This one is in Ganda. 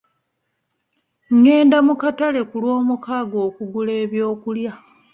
Ngenda mu katale ku lwomukaaga okugula ebyokulya.